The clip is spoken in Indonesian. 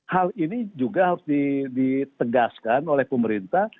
hal ini juga harus ditegaskan oleh pemerintah